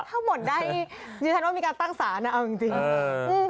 ถ้าหมดได้ดิฉันว่ามีการตั้งศาลนะเอาจริง